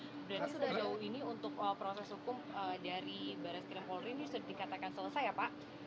jadi sudah jauh ini untuk proses hukum dari barai skrim polri ini sudah dikatakan selesai ya pak